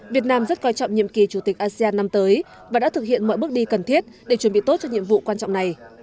việt nam rất coi trọng nhiệm kỳ chủ tịch asean năm tới và đã thực hiện mọi bước đi cần thiết để chuẩn bị tốt cho nhiệm vụ quan trọng này